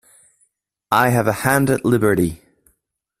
I have a hand at liberty.